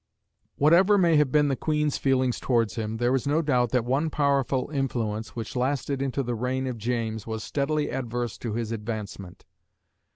Whatever may have been the Queen's feelings towards him, there is no doubt that one powerful influence, which lasted into the reign of James, was steadily adverse to his advancement.